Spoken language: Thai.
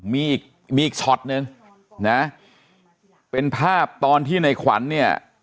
มีอีกมีอีกช็อตนึงนะเป็นภาพตอนที่ในขวัญเนี่ย